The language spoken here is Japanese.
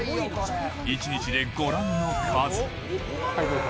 １日でご覧の数。